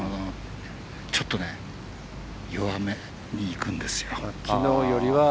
ちょっと弱めにいくんですよ。